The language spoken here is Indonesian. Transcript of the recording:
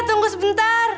iya tunggu sebentar